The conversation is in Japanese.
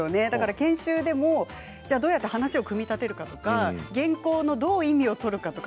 研修でも、どうやって話を組み立てるかとか原稿のどう意味を捉えるとか